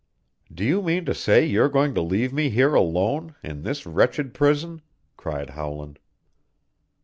"Do you mean to say you're going to leave me here alone in this wretched prison?" cried Howland.